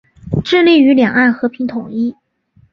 致力于两岸和平统一。